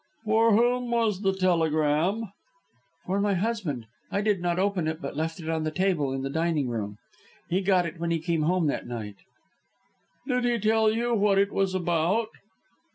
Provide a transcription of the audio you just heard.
"For whom was the telegram?" "For my husband. I did not open it, but left it on the table in the dining room. He got it when he came home that night." "Did he tell you what it was about?"